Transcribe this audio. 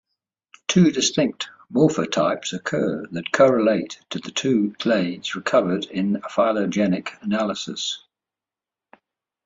Two distinct morphotypes occur that correlate to the two clades recovered in phylogenetic analysis.